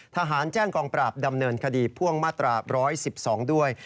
ทหารแจ้งกองปราบดำเนินคดีพ่วงมาตรา๑๑๒ด้วย